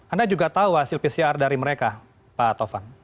anda juga tahu hasil pcr dari mereka pak tovan